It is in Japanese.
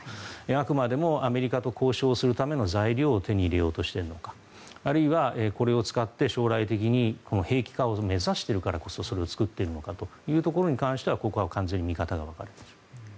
あくまでもアメリカと交渉するための材料を手に入れようとしているのかあるいはこれを使って将来的に兵器化を目指しているからこそそれを作っているのかというところに関してはここは完全に見方が分かれています。